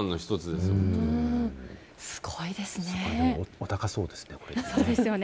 すごいですね。